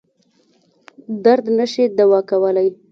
درد نه شي دوا کولای.